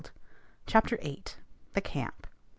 CHAPTER VIII. THE CAMP.